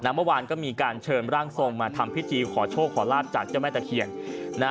เมื่อวานก็มีการเชิญร่างทรงมาทำพิธีขอโชคขอลาบจากเจ้าแม่ตะเคียน